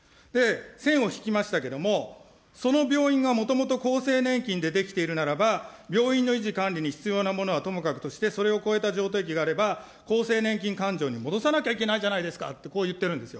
線を引きましたけれども、その病院がもともと厚生年金でできているならば、病院の維持、管理に必要なものはともかくとして、それを超えたがあれば、厚生年金勘定に戻さなきゃいけないんじゃないですかと、こう言ってるんですよ。